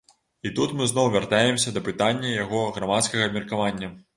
І тут мы зноў вяртаемся да пытання яго грамадскага абмеркавання.